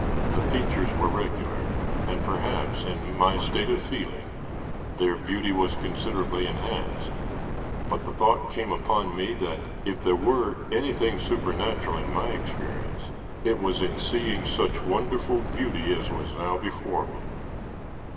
The features were regular, and, perhaps, in my state of feeling, their beauty was considerably enhanced; but the thought came upon me that if there were anything supernatural in my experience, it was in seeing such wonderful beauty as was now before me.